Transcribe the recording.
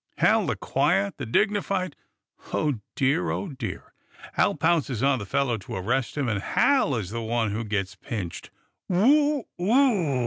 Hal, the quiet, the dignified? Oh, dear! Oh, dear. Hal pounces on the fellow, to arrest him, and Hal is the one who gets pinched Woo oo!